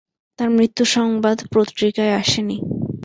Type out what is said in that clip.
তাঁর মৃত্যুসংবাদ পত্রিকায় আসে নি।